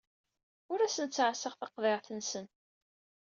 Ur asen-ttɛassaɣ taqḍiɛt-nsen.